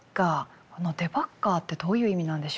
このデバッガーってどういう意味なんでしょうか？